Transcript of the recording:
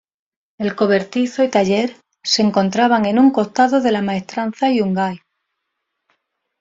El cobertizo y Taller se encontraban en un costado de la Maestranza Yungay.